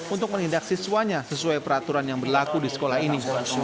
untuk menindak siswanya sesuai peraturan yang berlaku di sekolah ini